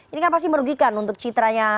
ini kan pasti merugikan untuk citranya